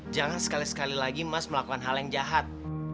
jangan sekali sekali lagi emas melakukan hal yang jahat